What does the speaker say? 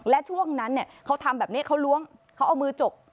และช่วงนั้นเขาทำแบบนี้เขาล้วงเขาเอามือจก